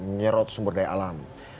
menyerot sumber daya alam